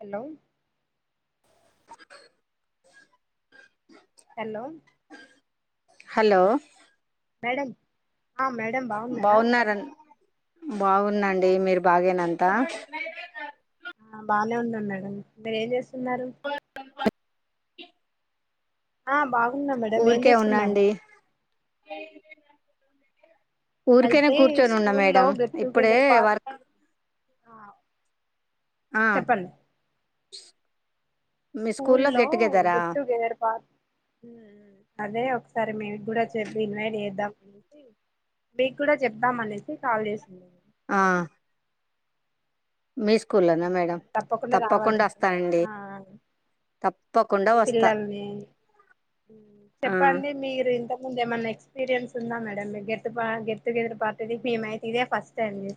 hello hello hello madam ఆ madam బాగున్నారా బాగున్న అండి మీరు బాగేనంత ఆ బానే ఉన్న మేడం మీరేం చేస్తున్నారు ఆ బాగున్నా మేడం ఏం ఊరికే చేస్తున్నారు ఉన్నాండి ఊరికెనే అయితే కూర్చొని ఉన్నా స్కూల్లో మేడం గెట్ ఇప్పుడే టుగెదర్ పార్ వర్క్ చెప్పండి అ స్కూల్ లో గెట్ టుగెదర్ పా మ్ అదే ఒకసారి మేము కూడా చెప్పి ఇన్వైట్ చేద్దాం అని మీకు కూడా చెప్దాం అనేసి కాల్ చేసింది ఆ మీ స్కూల్లోనా మేడం తప్పకుండా రావాలండి వస్తానండి ఆ తప్పకుండా వస్తా పిల్లల్ని ఆ చెప్పండి మీరు ఇంత ముందేమన్నా ఎక్స్పీరియన్స్ ఉందా మేడమ్ మీ గెత్టు గెట్ టు గెదురు పార్టీది మేమైతే ఇదే ఫస్ట్ టైం మీ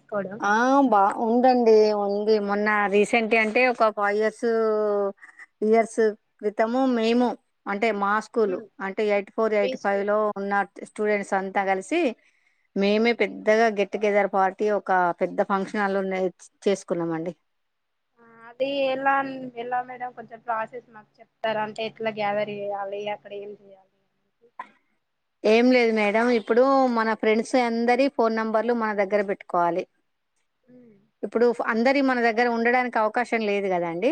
ఆ బా ఉండంగా ఏమున్న ఇది మొన్న రీసెంట్గాగా అంటే ఒక ఫైవ్ ఇయర్స్ ఇయర్స్ క్రితము మేము అంటే మా స్కూలు అంటే ఎయిట్ ఫోర్ ఎయిట్ ఫైవ్ లో బీస్కూల్లో ఉన్న స్టూడెంట్స్ అంతా కలిసి మేమే పెద్దగా గెట్ టు గెదర్ పార్టీ ఒక పెద్ద ఫంక్షన్లున్నాయి చేసుకున్నాం అండి ఆ అది ఎలా ఎలా మేడ కొంచెం ప్ర్లాసెస్ మాకు చెప్తారు అంటే ఎట్లా గ్యాదర్ చే యాలి అక్కడ [inaudible] ఏం లేదు మేడం ఇప్పుడు మన ఫ్రెండ్స్ అందరి ఫోన్ నెంబర్లు మన దగ్గర పెట్టుకోవాలి హమ్ ఇప్పుడు అందరి మన దగ్గర ఉండడానికి అవకాశం లేదు కదా అండి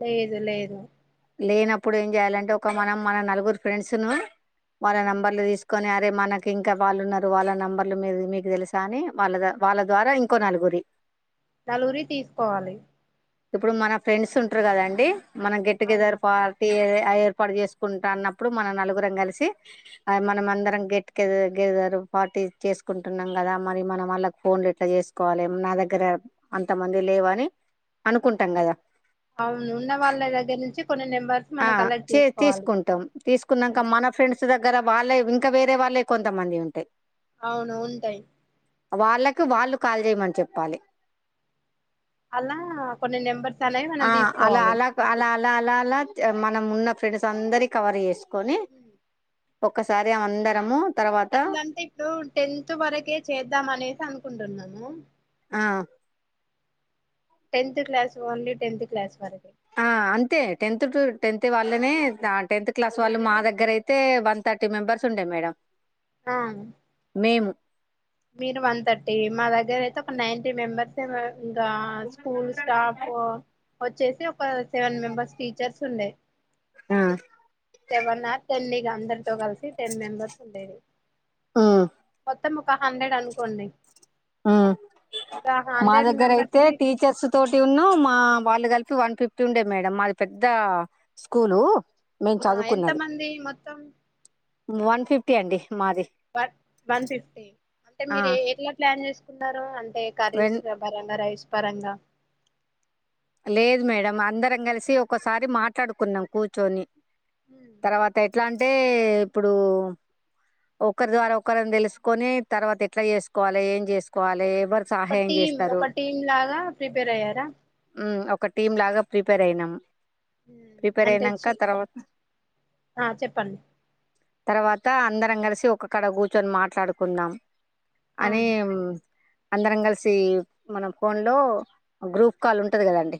లేదు లేదు లేనప్పుడు ఏం చేయాలంటే ఒక మనం మన నలుగురు ఫ్రెండ్స్ ను వాళ్ళ నెంబర్ కని అరే మనకి ఇంకా వాళ్ళున్నారు వాళ్ళ నంబర్లు మీ మీకు తెలుసా అని వాళ్ళ వాళ్ళ ద్వారా ఇంకో నలుగురు గ [inaudible] నలుగురివి తీసుకోవాలి ఇప్పుడు మన ఫ్రెండ్స్ ఉంటారు కదండి మనం గెట్ టుగెదర్ అవునవును పార్టీ అదే ఏర్పాటు చేసుకుంటా అన్నప్పుడు మనం నలుగురం కలిసి అది మనం అందరం గెట్టు గెదిదారు పార్టీ చేసుకుంటున్నాం కదా మరి మనం వాళ్ళకి ఫోన్లుట్లా చే తీసుకోవాలి నా దగ్గర అంతమంది లేవని అనుకుంటాం కదా అవును ఉన్న వాళ్ళ దగ్గర నుంచి కొన్ని నెంబర్ ఆహ్ చే తీసుకుంటాం తీసుకున్నాక మన ఫ్రెండ్స్ దగ్గర వాళ్ళే ఇంకా వేరే వాళ్ళే కొంతమంది ఉంటాయి అవునా ఉంటాయి వాళ్ళకి వాళ్ళు కాల్ చేయమని చెప్పాలే అలా కొన్ని నెంబర్స్ అనేవి మనం ఆహ్ అ అలా తీసుకోవాలి అలా అ అ అలా మనం ఉన్న ఫ్రెండ్స్ అందరి కవర్ చేసుకొని ఉమ్ ఒకసారి అందరము తర్వాత అట్లంటే ఇప్పుడు టెన్త్ వరకే చేద్దాం అనేసి అనుకుంటున్నాము ఆహ్ tenth class only tenth class వరుకు ఆ అంతే టెన్త్ టు టెన్త్ వాళ్ళనే ద టెన్త్ క్లాస్ వాళ్ళు మా దగ్గర అయితే వన్ థర్టీ మెంబర్స్ ఉండే మేడం ఆహ్ మేము ఈ మెంబర్స్ గా ఇంకా స్కూల్ స్టాఫ్ వచ్చేసి మొత్తం సెవెన్ మెంబెర్స్ టీచర్స్ ఉండే ఉమ్ సెవెన్ ఆర్ టెన్ నీగా అందరితో కలిసి టెన్ మెంబర్స్ ఉండేది హ్మ్మ్ మో త్తం ఒక హండ్రెడ్ అనుకోండి హమ్ ఇప్పుడు ఆ మా హండ్రెడ్ దగ్గర మెంబర్స్ అయితే ని టీచర్స్ తోటి ఉన్నా మా వాళ్ళు దగ్గ టూ వన్ ఫిఫ్టీ ఉండే మేడం మాది పెద్ద స్కూలు మేము ఆహ్ఎంత చదువుకున్నది మంది మొత్తం వన్ ఫిఫ్టీ అండి మాది వన్ వన్ ఫిఫ్టీ అంటే ఆ మీరె ఏ ఎట్లా ప్లాన్ చేసుకున్నారు అం అంటే కర్రీస్ వెన్ పరంగా రైస్ పరంగా లేదు మేడం అందరం కలిసి ఒకసారి మాట్లాడుకున్నాం కూర్చొని తర్వాత ఎట్లా అంటే ఇప్పుడు ఒకరి ద్వారా ఒకరిని తెలుసుకొని తర్వాత ఎట్లా చేసుకోవాలే ఏం చేసుకోవాలే ఒక టీం ఒక టీం లాగా ప్రిపేర్ అయ్యారా ఉమ్ ఒక టీమ్ లాగా ప్రిపేర్ అయినాం ప్రిపేర్ అంటే అయినంక చి తర్వాత ఆ చెప్పండి తర్వాత అందరం కలిసి ఒకక్కడ కూర్చొని మాట్లాడుకున్నం ఆ అని అందరం కలిసి మన ఫోన్ లో గ్రూప్ కాల్ ఉంటది కదండి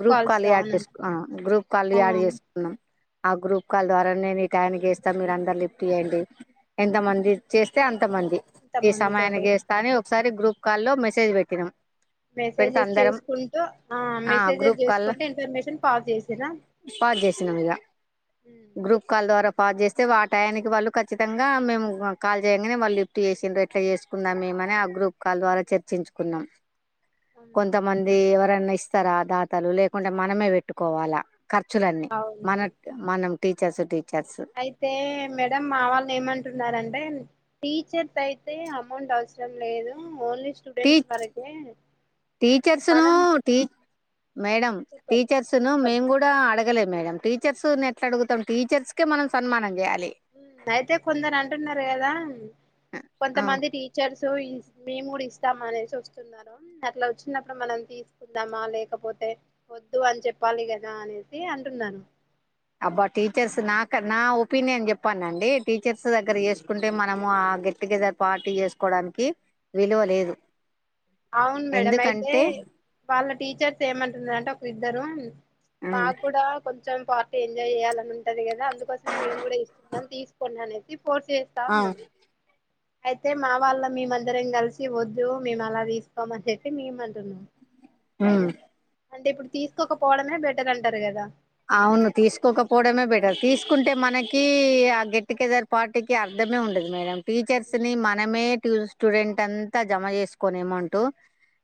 గ్రూప్ కాల్స్ కాల్ యాడ్ అవును చేసుకో ఆ గ్రూప్ కాల్ ఆ యాడ్ చేసుకున్నాం ఆ గ్రూప్ కాల్ ద్వారా నే ఇ టైనకి చేస్తా మీరు అందరు లిఫ్ట్ చేయండి ఎంతమంది చేస్తే అంతమంది ఈ ఇంతమంది తోటి సమయానికి చేస్తా అని ఒకసారి గ్రూప్ కాల్ లో మెసేజ్ పెట్టినాం పెడితే మెసేజెస్ అందరం చేసుకు కుంటు ఆ మెసేజెస్ గ్రూప్ కాల్ చేసుకుంటే ఇన్ఫర్మేషన్ పాస్ చేసిరా ఉమ్, గ్రుప్ కాల్ ద్వారా పాజ చేస్తే వా టాయానికి వాళ్ళు ఖచ్చితంగా మేము కాల్ చేయంగానే వాళ్ళు లిఫ్ట్ చేససిండ్రు ఎట్లా చేసుకుందాం మేము మని ఆ గ్రూప్ కాల్ ద్వారా చర్చించుకున్నాం ఆ కొంతమంది ఎవరన్నా ఇస్తారా దాతలు లేకుంటే మనమే పెట్టుకోవాలా ఖర్చులన్నీ మన అవునండి మనం టీచర్స్ టీ అయితే మేడం మా వాళ్ళ ఏమంటున్నారంటే టీచర్స్ అయితే అమౌంట్ అవసరం లేదు ఓన్లీ టీ స్టూడెంట్స్ వరకే టీచర్స్ ను మనం టీ మేడం చెప్పండి టీచర్స్ ను చెప్పండి మేము గూడ అడగలేం మేడంమ్ టీచర్స్ ఎట్లా అడుగుతాము టీచర్స్ కే మనం సన్మానం చేయా అయితే కొందరు అంటున్నారు కదా ఆ కొంతమంది టీచర్స్ సో మేము కూడా ఇస్తామా అనేసి వస్తున్నారు అట్లా వచ్చినప్పుడు మనం తీసుకుందామా లేకపో వద్దు అని చెప్పాలి కదా అనేసి అంటున్నాను అబ్బా టీచర్స్ నాక నా ఒపీనియన్ చెప్పానండి టీచర్స్ దగ్గర చేసుకుంటే మనము ఆ ఆ గెట్టుగెదర్ పార్టీ చేసుకోవడానికి విలువ లేదు అవును మేడం అయితే ఎందుకంటే వాళ్ళ టీచర్స్ ఏమంటుందంటే ఒక ఇద్దరు ఉమ్, మాకు కూడా కొం కొంచెం పార్టీ ఎంజాయ్ చేయాలని ఉంటది కదా అందుకోసమే మేము కూడా ఇస్తున్నాం తీసుకోండి అనేసి కోర్ చేస్తా ఆ ఉన్నాను అయితే మా వాళ్ళ మేమందరం కలిసి వద్దు మేము అలా తీ తీసుకోమని చెప్పి మేమంటున్నాం హ్మ్మ్ అంటే ఇప్పుడు తీసుకోకపోవడమే బెటర్ అంటారు కదా అవును తీసుకోకపోవడమే బెటర్ తీసుకుంటే మనకి ఆ గెట్టుగెదర్ పార్టీకి అర్ధ మ ఉండదు మేడం టీచర్స్ ని మనమే టూ స్టూడెంట్ అంతా జమ చేసుకోని అమౌంట్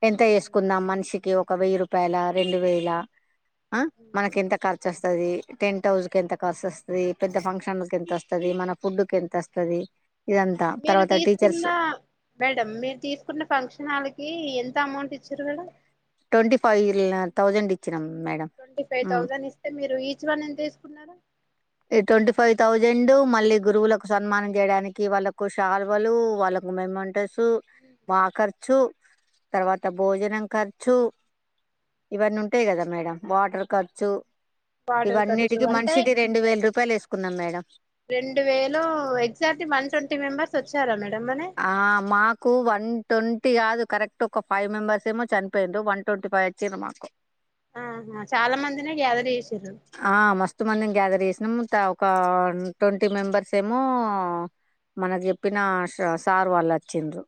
ఎంత వేసుకుందాం మనిషికి ఒక వెయ్యి రూపాయల రెండు వేలా ఆ ఉ మనకి ఎంత ఖర్చుస్తుది టెంట్ హౌస్ క ఎంత ఖర్చుస్తుంది పెద్ద ఫంక్షన్ ఎంత వస్తుది మన ఫుడ్ి ఎంత వస్తుది ది మీరు తీసుకున్న మేడం మీరు తీసుకున్న ఫంక్షన్ హాల్కి ఎ ఎంత అమౌంట్ ఇచ్చిడు వీడు ట్వంటీ ఫైవ్ థౌజండ్ ఇచ్చినామ్ ట్వంటీ ఫైవ్ థౌజండ్ ఇస్తే మీరు ఈచ్ వన్ ఎంత వేసుకున్నారు ఈ ట్వంటీ ఫైవ్ ౌజండ్ మళ్ళీ గురువులకు సన్మానం చేయడానికి వాళ్ళకు షాల్వలు వాళ్ళకు ఇంగ మేమంటే సూ మాకర్ చు తర్వాత భోజనం ఖర్చు ఇవన్నీ ఉంటాయి కదా మేడం వాటర్ ఖర్చు వాటర్ ఖర్చు ఇవన్నిటికిీ అంటే మనిషికి వేయి రూపాయలు వేసుకున్నాం మేడం మ వన్ట్ంటీ మెంబర్స్ వచ్చారా మేడం మరి ఆ మాకు వన్ ట్వన్ కాదు కరెక్ట్ ఒక ఫైవ్ మెంబర్స్ ఏమో చనిపోయిరు వన్ ట్వంటీ ఫైవ్ ఏమో వచ్చిరు మాకు ఆహా చాలా మందిిన గ్యాదర్ చేసిరు కొంత మందిని గ్యాదర్ చేసినం ఒక ట్వంటీ మెంబర్స్ ఏమో మనకు జెప్పినా షార్ సార్ వాళ్ళు అచ్చిండ్రు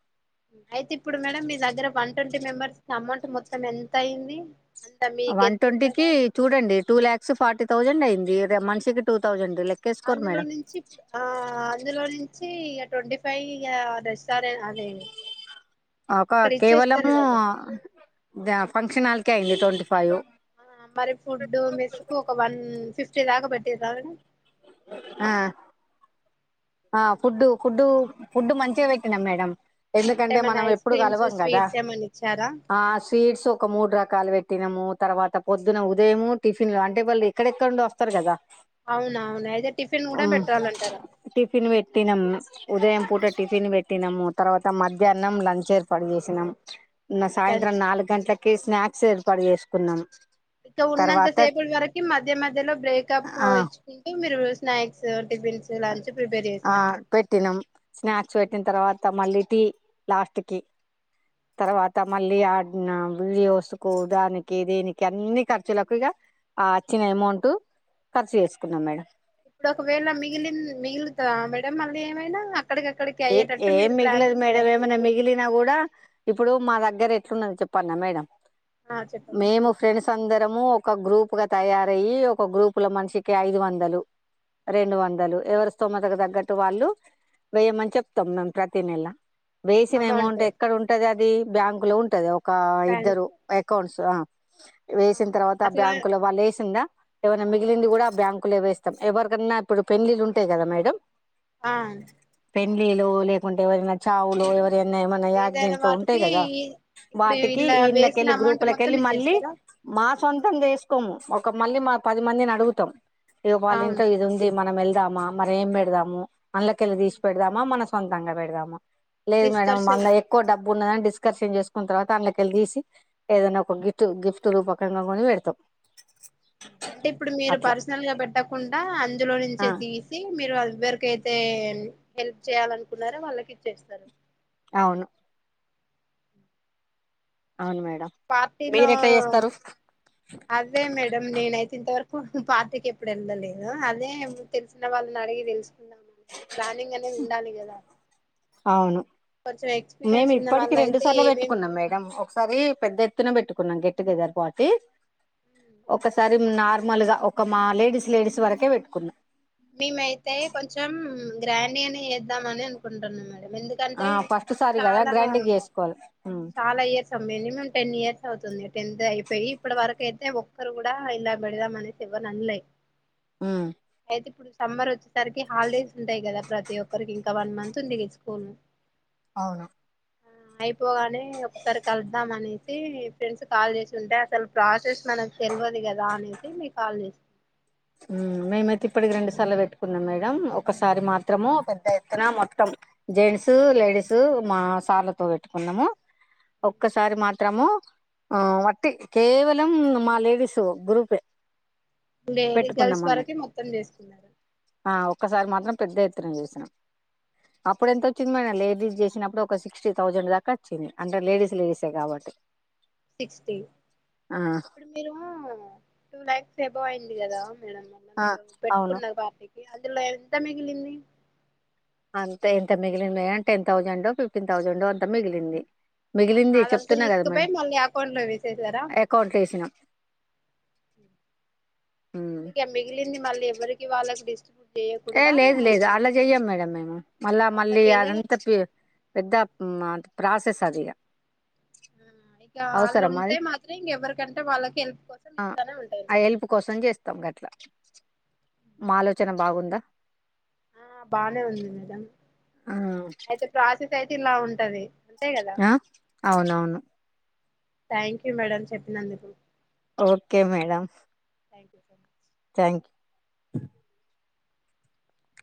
అయితే ఇప్పుడు మేడం మీ దగ్గర వన్ ట్వంటీ మెంబర్స్ అమౌంట్ మొత్తం ఎంత అయింది అంత మీ వన్ గెస్సింగ్ ట్వంటీ కి ప్రకారం చూడండి టూ ల్యాక్స్ ఫార్టీ థౌజండ్ అయింది మంత్స్ కి టూ థౌజండ్ లెక్కేసుకోరు అందులో మేడం నుంచి ఆ అందులో నుంచి ఇగా ట్వంటీ ఫైవ్ ఇగా ఆస్ ఒకా అక్కడ ఇచ్చేస్తారు కేవలము కదా ఫంక్షననాల్ కేెండి ట్వంటీ ఫైవు ఆ మరి ఫుడ్డు మెస్ కు ఒక వన్ ఫిఫ్టీ దాకా పెట్టిది రాద ఆ ఆ ఫుడ్డు ఫుడ్డు ఫుడ్డు మంచిగా పెట్టినం మేడం అంటే ఎందుకంటే ఏమన్నా మనం ఐస్ ఎప్పుడు క్రీమ్స్ కలవం గదా స్వీట్స్ ఏమన్నా ఇచ్చారా ఆ స్వీట్స్ ఒక మూడు రకాలు పెట్ తినము తర్వాత పొద్దున ఉదయము టిఫిన్లు అంటే వాళ్ళు ఎక్కడెక్కడి నుండి వస్తరు గదా అవునవును అయితే టిఫిన్ ఆ కూడా పెట్టాలంటారు టిఫిన్ పెట్టి నమ్ ఉదయం పూట టిఫిన్ పెట్టినాము తర్వాత మధ్యాహ్నం లంచ్ ఏర్పాటు చేసినము సాయంత్రం లంచ్ నాలుగు గంట్లకి స్నాక్స్ ఏర్పాటు చేసుకున్నాం ఇక ఉన్నంత తర్వాత సేపటి వరకు మధ్య మధ్యలో బ్రేకపు ఆ ఇచ్చుకుంటూ మీరు స్నాక్స్ టిఫిన్స్ లంచ్ ప్రిపేర్ ఆ చేశాను పెట్టినాం స్నాక్స్ పెట్టిన తర్వాత మళ్ళీ దీ లాస్ట్కి తర్వాత మళ్ళీ ఆడ్ నా వ్యూసుకు దానికి దేనికి అన్ని ఖర్చులకు ఇగ ఆ అచ్చిన అమౌంట్ ఖర్చు చేసుకున్నాం మేడం ఇప్పుడు ఒకవేళ మిగిలిన్ మిగులుతదా మేడం మళ్ళీ ఏమైనా అక్కడికక్కడికి ఏ అయ్యేటట్టు ఏం మీరు ప్లాన్ మిగులదు మేడం చేశారా ఏమన్న మిగిలినా గూడా ఇప్పుడు మా దగ్గర ఎట్లున్నదో చెప్పన్న మేడం ఆ చెప్పండి మేము ఫ్రెండ్స్ అందర్ ము ఒక గ్రూప్ గా తయారయి ఒక గ్రూపు లో మనిషికి ఐదు వందలు రెండు వందలు ఎవరి స్తోమతకు తగ్గట్టు వాళ్ళు వెయ్యి మన్ చెప్తం మేం ప్రతి నెలా వేసిన అమౌంట్ ఎక్కడ ఉంటది అది బ్యాంకు లో ఉంటది ఒ ఒకా బ్యాంక్ ఇద్దరు అకౌంట్స్ ఆ వేసిన తర్వాత అట్లా బ్యాంకు లో వాళ్ళు ఎసిందా ఏమైనా మిగిలింది కూడా బ్యాంకులు వేస్తాం ఎవరికన్నా ఇప్పుడు పెళ్లిళ్లు ఉంటయి గదా మేడం ఆ పెండ్లిలు లేకుంటే ఎవరైనా చావులు ఎవరైనా ఏమైనా ఏదైనా యాక్డెంట్లు ఉంటయి వాటికి గదా ఇప్పుడు వాటికి ఇలా వేసిన ఇండ్లకెళ్ళి అమౌంట్ మొత్తం గ్రూపులకెళ్ళి మళ్ళీ ఇచ్చేస్తారా మా సొంతం చేసుకోము ఒక మళ్ళీ మా పది మందిని అడుగుతాం ఇగ వాళ్ళ అవును ఇంట్లో ఇది ఉంది మనం ఎల్ దామా మరి ఏం పెడదాము అండ్లకెళ్ళి తీశి మా మన సొంతంగా పెడదామా లేదు మేడం డిస్కర్షన్ మన ఎక్కువ డబ్ ఉన్నదని డిస్కర్షన్ చేసుకున్న తర్వాత అండ్లకెళ్లి తీసి ఏదైనా ఒక గిఫ్ట్ గిఫ్ట్ రూపకంగా కొని పెడతాం అంటే ఇప్పుడు మీరు అట్లా పర్సనల్ గా పెట్టకుండా అందులో ఆ నుంచే తీసి మీరు అ ఎవరికైతే హెల్ప్ చేయాలనుకున్నారో వాళ్ళకి ఇచ్చేస్తరు అవును అవును మేడం పార్టీలో మీరు ఎట్లా చేస్తారు అదే మేడం నేనయితే ఇంతవరక్ పార్టీకి ఎప్పుడు ఎల్తలేదు అదే తెలిసిన వాళ్ళని అడిగి తెలుస్ ప్లానింగ్ అనేది ఉండాలి గదా అవును మేము ఉన్న ఇప్పటికి వాళ్ళ రెండు అయితే సార్లు ఏమేం పెట్టుకున్నాం మేడం ఒకసారి పెద్దెత్ ద్దున పెట్టుకున్నాం గెట్టుగెదర్ పార్టీ ఒకసారి నార్మల్గా ఒక మా లేడీస్ లేడీస్ వరకే పెట్టుకున్నాం మేమయితే కొంచం గ్రాండీగనే చేద్దామని అనుకుంటున్నాం మరి ఎందుకంటే ఆ ఫస్ట్ సారి కదా చాలా గ్రాండ్ గా చేసుకోవాలి ఉమ్ చాలా ఇయర్స్ మినిమం టెన్ ఇయర్స్ అవుతుంది టెన్త్ అయిపోయి ఇప్పటి వరకు అయితే ఒక్కరు గూడా ఇలా పెడదాం అనలే ఎవరన్లే ఆ అయితే ఇప్పుడు సమ్మర్ వచ్చేసరికి హాలిడేస్ ఉంటయి గదా ప్రతి ఒక్కరికి ఇంకా వన్ మంత్ ఉంది నీక్ స్కూలు అవును ఆ అయిపోగానే ఒకసారి కలుద్దాం అనేసి ఫ్రెండ్స్ కాల్ చేసి ఉంటే అసలు ప్రాసెస్ మనకు తెలవదు కదా అనేసి మీకు కాల్ చేస్త ఊ మేమైతే ఇప్పటికి రెండు సార్లు పెట్టుకున్నాం మేడం ఒకసారి మాత్రము పెద్ద ఎత్తున మొత్తం జెంట్స్ ఊ లేడీస్ ఊ మా సార్లతో పెట్టుకున్నము ఒక్కసారి మాత్రము ఆ వట్టి కేవలం మా లేడీస్ గ్రూపే లేడి పెట్టుకున్నాం గర్ల్స్ వరకే అన్నట్టు మొత్తం చేసుకున్నారు ఆ ఒక్కసారి మాత్రం పెద్ద ఎత్తున చేసినాం అప్పుడు ఎంత వచ్చింది మన లేడీస్ చేసినప్పుడు ఒక సిక్స్టీ థౌజండ్ దాకా వచ్చింది అంటే లేడీస్ లేసే కాబట్టి సిక్స్టీ ఆ ఇప్పుడు మీరు టు లాక్స్ ఎబో ఎక్కో ఐంది కదా మేడం మళ్ల మీరు అవును పెట్టుకున్న పార్టీ అందులో ఎంత మగిలింది అంత ఎంత మిగిలింది ఏ టెన్ థౌజండ్ ఓ ఫిఫ్టీన్ థౌజండ్ ఓ అంత మిగిలింది ఆహా, మిగిలింది అదంతా చెప్తున్నా కదా తీసుకుపోయి మేడం మళ్ళీ అకౌంట్ లో వేసేసారా అకౌంట్ ల వేసిన అంత ఇక మిగిలింది మళ్ళీ ఎవరికి వాళ్ళకి డిస్ట్రిబ్యూట్ ఏ చేయకుండా లేదు లేదు అలా చెయ్యం మేడం మేము మళ్ళా మళ్ళీ అందకేలే అదంతా పి పెద్ద ఆ ప్రాసెస్ అదిగా ఆ ఆ ఇక ఆళ్ళు ఉంటే అది మాత్రం ఇంకెవ్వరికంటే వాళ్ళకి హెల్ప్ కోసం ఆ ఇస్తానే ఉంటరు మాలోచన బాగుందా ఆ బానే ఉంది మేడం అయితే ప్రాసెస్ అయితే ఇలా ఉంటది అంతే గదా అవునవును థ్యాంక్ యూ మేడం చెప్పినందుకు okay madam thank you [unintelligible] thank you